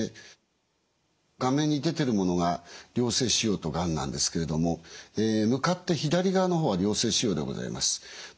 画面に出てるものが良性腫瘍とがんなんですけれども向かって左側の方は良性腫瘍でございます。